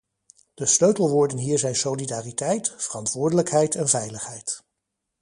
De sleutelwoorden hier zijn solidariteit, verantwoordelijkheid en veiligheid.